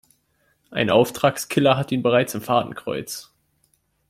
Ein Auftragskiller hat ihn bereits im Fadenkreuz.